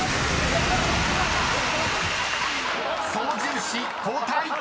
［操縦士交代］